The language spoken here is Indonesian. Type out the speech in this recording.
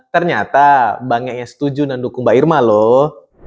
ternyata banyak yang setuju dan dukung mbak irma loh